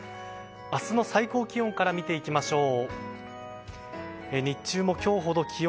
明日の最高気温から見ていきましょう。